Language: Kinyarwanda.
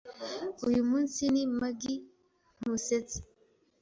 "Uyu munsi ni muggy." "Ntusetsa."